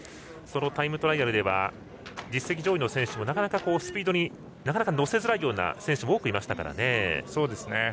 タイムトライアルでは実績上位の選手も、なかなかスピードに乗せずらいような選手も多くいましたから。